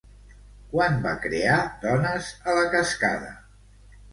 Quan va crear Dones a la Cascada?